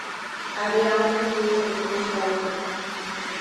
Ари Аҟәа иеиԥшу џьушьома.